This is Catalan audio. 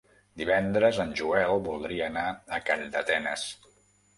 Divendres en Joel voldria anar a Calldetenes.